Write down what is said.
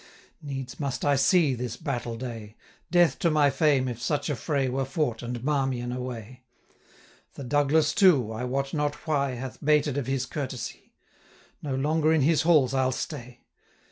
Needs must I see this battle day: Death to my fame if such a fray Were fought, and Marmion away! 1030 The Douglas, too, I wot not why, Hath 'bated of his courtesy: No longer in his halls I'll stay.'